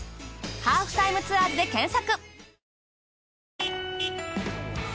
『ハーフタイムツアーズ』で検索！